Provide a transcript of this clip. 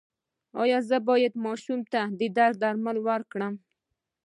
ایا زه باید ماشوم ته د درد درمل ورکړم؟